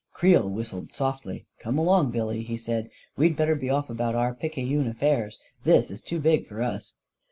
9 Creel whistled softly. 11 Come along, Billy," he said. " We'd better be off about our picayune affairs. This is too big for us!"